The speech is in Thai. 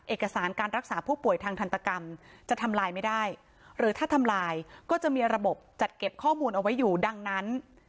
เอกสารการรักษาผู้ป่วยทางทันตกรรมจะทำลายไม่ได้หรือถ้าทำลายก็จะมีระบบจัดเก็บข้อมูลเอาไว้อยู่ดังนั้น